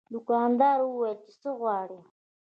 دوکاندار وویل چې څه غواړې.